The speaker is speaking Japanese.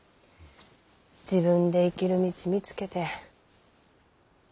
自分で生きる道見つけて偉いわ。